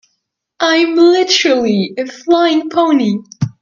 I'm literally a flying pony.